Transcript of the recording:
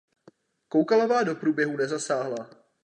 Koukalová do průběhu nezasáhla.